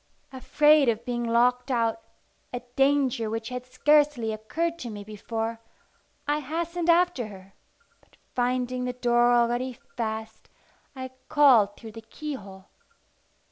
Afraid of being locked out, a danger which had scarcely occurred to me before, I hastened after her; but finding the door already fast, I called through the keyhole.